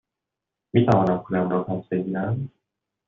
می توانم پولم را پس بگیرم؟